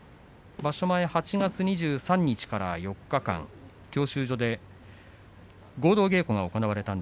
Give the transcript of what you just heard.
場所前の８月２３日から４日間、教習所で合同稽古が行われました。